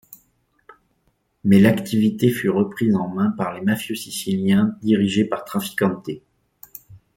Mais l'activité fut reprise en main par les mafieux siciliens dirigés par Trafficante.